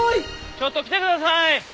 ちょっと来てください！